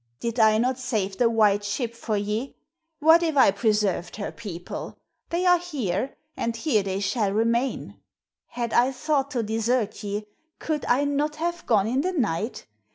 Did I not save the white ship for ye? What if I preserved her people. They are here, and here they shall remain. Had I thought to desert ye, could I not have gone in the night?